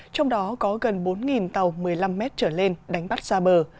trong đó có gần bốn tàu một mươi năm m trở lên đánh bắt xa bờ